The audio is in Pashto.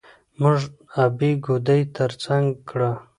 موږ د ابۍ ګودى تر څنګ کړه.